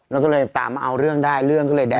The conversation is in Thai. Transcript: แล้วก็เลยตามมาเอาเรื่องได้เรื่องก็เลยแดง